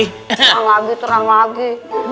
terang lagi terang lagi